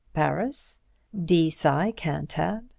Paris; D. Sci. Cantab.